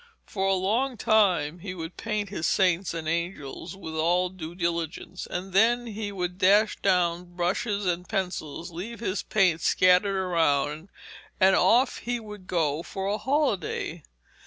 For a long time he would paint his saints and angels with all due diligence, and then he would dash down brushes and pencils, leave his paints scattered around, and of he would go for a holiday.